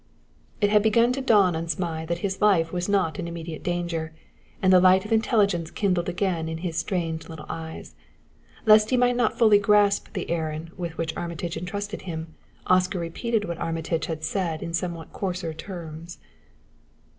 It had begun to dawn upon Zmai that his life was not in immediate danger, and the light of intelligence kindled again in his strange little eyes. Lest he might not fully grasp the errand with which Armitage intrusted him, Oscar repeated what Armitage had said in somewhat coarser terms.